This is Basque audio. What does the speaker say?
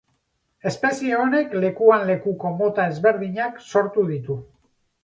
Espezie honek lekuan lekuko mota ezberdinak sortu ditu.